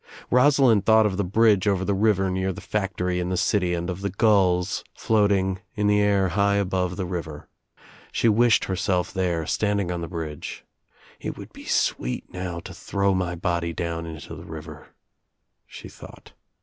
Rosalind thought of the bridge over the river near the factory iri the city and of the gulls floating in the air high above the river. She wished herself there, standing on the bridge, "It would be sweet now to throw my body down into the river," she thought.